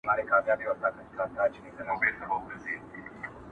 بختور یې چي مي ستونی لا خوږیږي!.